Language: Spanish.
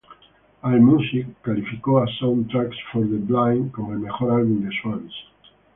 Allmusic calificó a Soundtracks for the Blind como el mejor álbum de Swans.